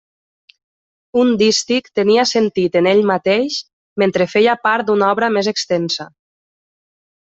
Un dístic tenia sentit en ell mateix mentre feia part d'una obra més extensa.